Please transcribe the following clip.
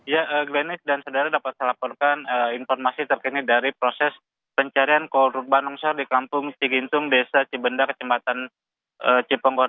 ya glennif dan saudara dapat saya laporkan informasi terkini dari proses pencarian korban longsor di kampung cigintung desa cibenda kecematan cipenggot